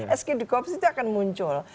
eskip dekops itu akan muncul